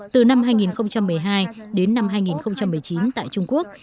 từ năm hai nghìn một mươi hai đến năm hai nghìn một mươi chín tại trung quốc